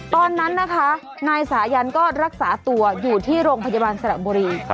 ตอนนั้นนะคะนายสายันก็รักษาตัวอยู่ที่โรงพยาบาลสระบุรี